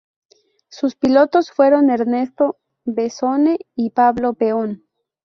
Sus pilotos fueron Ernesto Bessone y Pablo Peón.